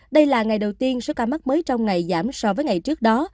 đây là ngày đầu tiên số ca mắc mới trong ngày giảm so với ngày trước đó